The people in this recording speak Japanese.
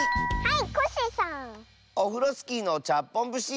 「オフロスキーのちゃっぽんぶし」。